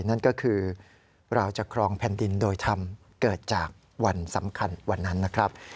นั่นก็คือเราจะครองแผ่นดินโดยธรรมเกิดจากวันสำคัญวันนั้นนะครับ